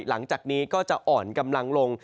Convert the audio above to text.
หลังจากนี้ก็จะอ่อนกำลังลง